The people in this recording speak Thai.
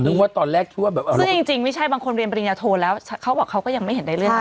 ว่าตอนแรกทั่วแบบซึ่งจริงไม่ใช่บางคนเรียนปริญญาโทแล้วเขาบอกเขาก็ยังไม่เห็นได้เรื่อย